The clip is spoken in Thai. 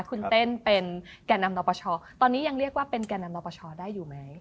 คุณเต้นเป็นแก่นำนปชตอนนี้ยังเรียกว่าเป็นแก่นำนปชได้อยู่ไหม